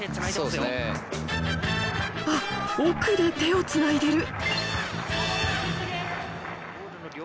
あっ奥で手をつないでる。